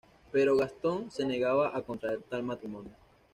Pero Gastón se negaba a contraer tal matrimonio.